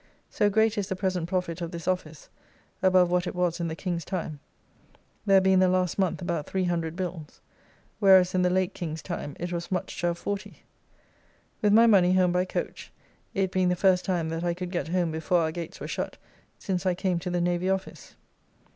So great is the present profit of this office, above what it was in the King's time; there being the last month about 300 bills; whereas in the late King's time it was much to have 40. With my money home by coach, it, being the first time that I could get home before our gates were shut since I came to the Navy office.